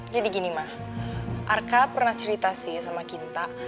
jadi gini mah arka pernah cerita sih sama kita